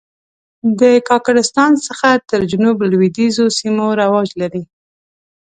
د کاکړستان څخه تر جنوب لوېدیځو سیمو رواج لري.